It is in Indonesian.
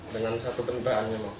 dengan satu kenderaan